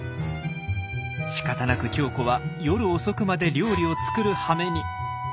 しかたなく鏡子は夜遅くまで料理を作るはめに。